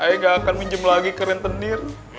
ayah nggak akan minjam lagi ke rentenir